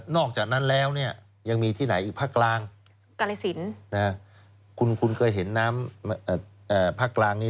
นอกจากนั้นแล้วยังมีที่ไหนอีกภาคกลาง